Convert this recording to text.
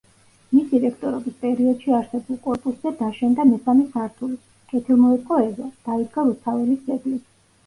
მისი რექტორობის პერიოდში არსებულ კორპუსზე დაშენდა მესამე სართული, კეთილმოეწყო ეზო, დაიდგა რუსთაველის ძეგლი.